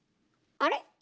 あれ？